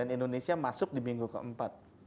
cnn indonesia masuk di minggu keempat